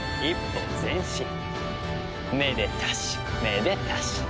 めでたしめでたし。